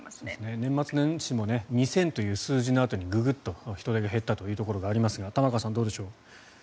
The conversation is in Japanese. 年末年始も２０００という数字のあとにググッと人出が減ったというところがありますが玉川さん、どうでしょう。